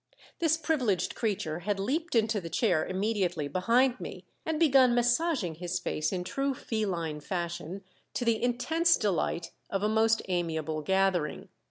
This privileged creature had leaped into the chair immediately behind me, and begun massaging his face in true feline fashion, to the intense delight of a most amiable gathering.